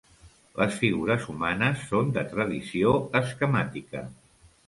Les figures humanes són de tradició esquemàtica.